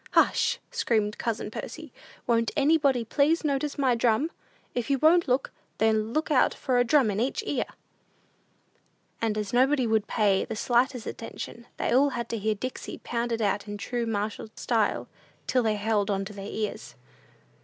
"Hush!" screamed cousin Percy; "won't anybody please notice my drum? If you won't look, then look out for a drum in each ear!" And as nobody would look or pay the slightest attention, they all had to hear "Dixie" pounded out in true martial style, till they held on to their ears.